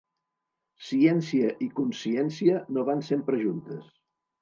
Ciència i consciència no van sempre juntes.